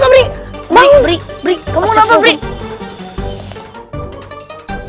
kamu kenapa sobring